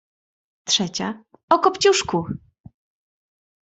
Trzecia — o „Kopciuszku”.